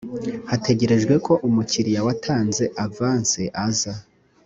hategerejwe ko umukiriya watanze avansi aza